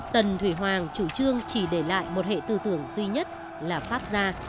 tần thủy hoàng chủ trương chỉ để lại một hệ tư tưởng duy nhất là pháp gia